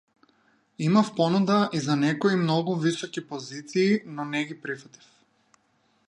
Имав понуда и за некои многу високи позиции, но не ги прифатив.